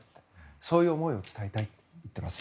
そういう思いを伝えたいと言っています。